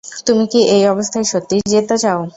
তুমি কি এই অবস্থায় সত্যিই যেতে চাও?